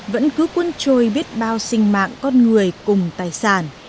vẫn cứ quân trôi biết bao sinh mạng con người cùng tài sản